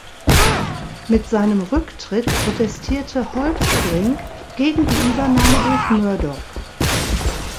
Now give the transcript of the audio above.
Mit seinem Rücktritt protestierte Holtzbrinck gegen die Übernahme durch Murdoch.